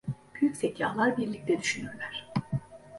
Büyük zekâlar birlikte düşünürler.